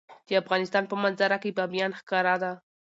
د افغانستان په منظره کې بامیان ښکاره ده.